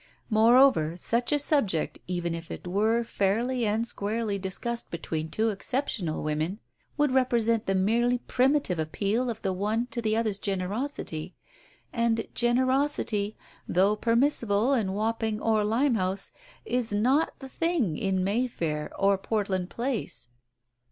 Moreover, such a subject, even if it were fairly and squarely discussed between two exceptional women, would represent the merely primitive appeal of the one to the other's generosity, and generosity, though per missible in Wapping or Limehouse is not the " thing " in Mayfair or Portland Place.